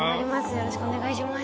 よろしくお願いします。